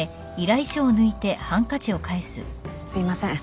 すいません。